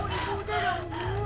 ibu udah dong